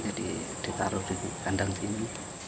jadi ditaruh di kandang sini